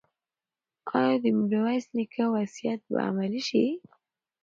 ایا د میرویس نیکه وصیت به عملي شي؟